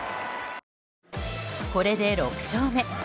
これで６勝目。